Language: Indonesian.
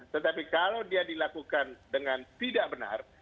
tetapi kalau dia dilakukan dengan tidak benar